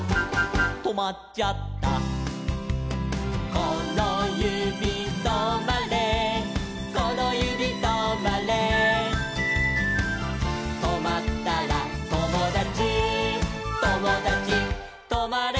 「このゆびとまれこのゆびとまれ」「とまったらともだちともだちとまれ」